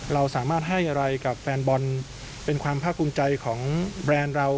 เราสามารถให้อะไรกับแฟนบอลเป็นความภาคภูมิใจของแบรนด์เรา